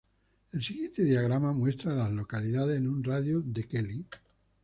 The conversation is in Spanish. El siguiente diagrama muestra a las localidades en un radio de de Kelly.